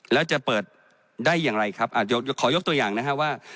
แล้วจะเปิดได้อย่างไรครับขอยกตัวอย่างนะครับว่า